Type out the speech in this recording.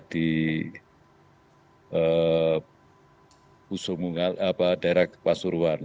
di pusung mungal daerah pasuruan